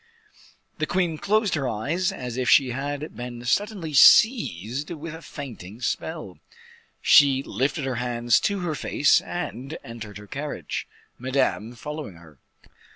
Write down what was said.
The queen closed her eyes as if she had been suddenly seized with a fainting spell. She lifted her hands to her face and entered her carriage, Madame following her.